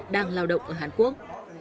đang lao động ở hàn quốc